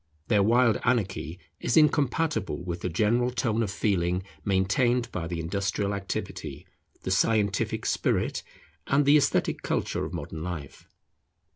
Their wild anarchy is incompatible with the general tone of feeling maintained by the industrial activity, the scientific spirit, and the esthetic culture of modern life.